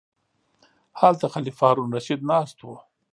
هلته خلیفه هارون الرشید ناست و.